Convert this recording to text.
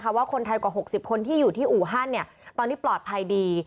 เพราะว่าคนไทยกว่า๖๐คนที่อยู่ที่อู่ฮั่นเนี่ยตอนที่ปลอดภัยดี